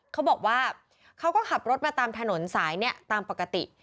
เขาบอกว่าเขาก็ขับรถมาตามถนนสายเนี่ยตามปกติ